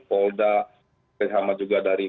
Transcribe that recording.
folda terhama juga dari